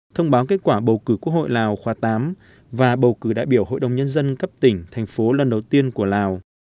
thông báo kết quả bầu cử quốc hội lào khoa tám và bầu cử đại biểu hội đồng nhân dân cấp tỉnh thành phố lần đầu tiên của lào